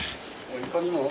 いかにも。